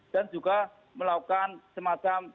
dan juga melakukan semacam